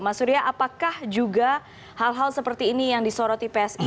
mas surya apakah juga hal hal seperti ini yang disoroti psi